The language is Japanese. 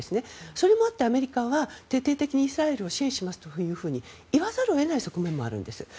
それもあって、アメリカは徹底的にイスラエルを支援しますと言わざるを得ない側面もあるんです。